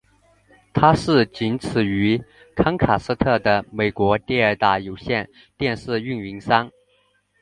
它是仅此于康卡斯特的美国第二大有线电视运营商。